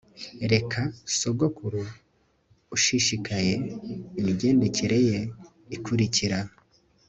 reka, sogokuru ushishikaye, imigendekere ye ikurikira